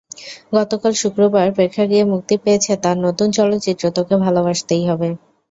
গতকাল শুক্রবার প্রেক্ষাগৃহে মুক্তি পেয়েছে তাঁর নতুন চলচ্চিত্র তোকে ভালোবাসতেই হবে।